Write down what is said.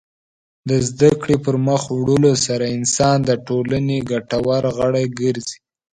د زدهکړې پرمخ وړلو سره انسان د ټولنې ګټور غړی ګرځي.